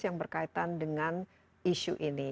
yang berkaitan dengan isu ini